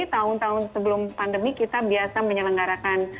tahun tahun sebelum pandemi kita biasa menyelenggarakan